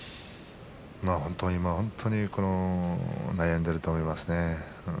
本当に悩んでいると思いますね。